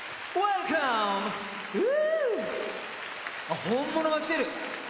あっ本物が来てる。